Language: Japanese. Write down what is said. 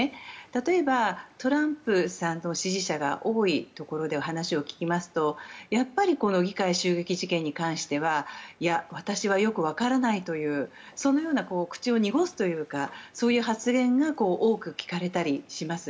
例えばトランプさんの支持者が多いところで話を聞きますとやっぱり議会襲撃事件に関してはいや、私はよくわからないというそのような口を濁すというかそういう発言が多く聞かれたりします。